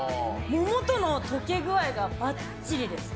桃とのとけ具合がばっちりです。